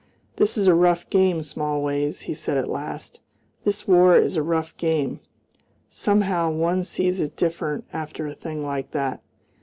"This is a rough game, Smallways," he said at last "this war is a rough game. Somehow one sees it different after a thing like that.